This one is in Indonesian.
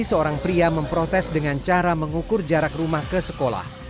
seorang pria memprotes dengan cara mengukur jarak rumah ke sekolah